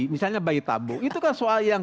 misalnya bayi tabung itu kan soal yang